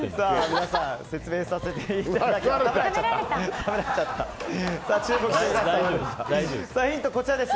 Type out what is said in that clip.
皆さん説明させていただきます。